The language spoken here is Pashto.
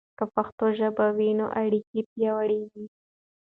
که پښتو ژبه وي، نو اړیکې پياوړي وي.